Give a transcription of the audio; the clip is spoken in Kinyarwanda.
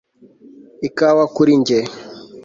Ikawa kuri njye